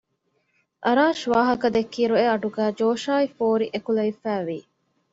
އަރާޝް ވާހަކަދެއްކިއިރު އެއަޑުގައި ޖޯޝާއި ފޯރި އެކުލެވިފައި ވި